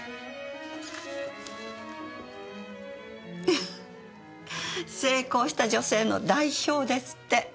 フフッ成功した女性の代表ですって。